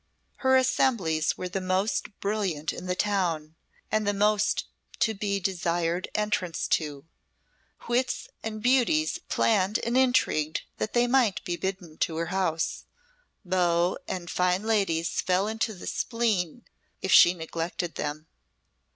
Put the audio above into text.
Her assemblies were the most brilliant in the town, and the most to be desired entrance to. Wits and beauties planned and intrigued that they might be bidden to her house; beaux and fine ladies fell into the spleen if she neglected them.